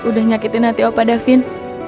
udah nyakitin nanti opa davin